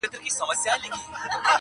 o په ورور تور پوري کوې په زړه خیرنه,